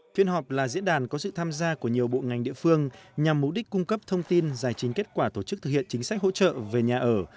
phiên họp là diễn đàn có sự tham gia của nhiều bộ ngành địa phương nhằm mục đích cung cấp thông tin giải trình kết quả tổ chức thực hiện chính sách hỗ trợ về nhà ở